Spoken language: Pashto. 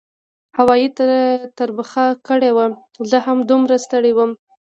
هوا یې تربخه کړې وه، زه هم دومره ستړی وم.